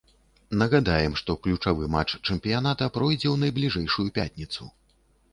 Нагадаем, што ключавы матч чэмпіяната пройдзе ў найбліжэйшую пятніцу.